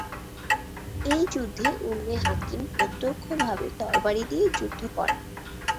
এই যুদ্ধে উম্মে হাকিম প্রত্যক্ষভাবে তরবারি দিয়ে যুদ্ধ করেন।